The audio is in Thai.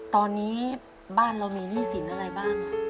ตอนนี้บ้านเรามีหนี้สินอะไรบ้าง